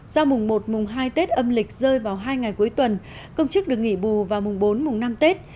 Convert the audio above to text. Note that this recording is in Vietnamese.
do mùng một mùng hai tết âm lịch rơi vào hai ngày cuối tuần công chức được nghỉ bù vào mùng bốn mùng năm tết